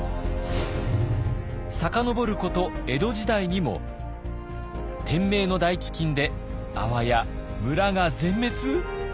遡ること江戸時代にも天明の大飢饉であわや村が全滅？